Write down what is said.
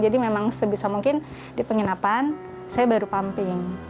jadi memang sebisa mungkin di penginapan saya baru pumping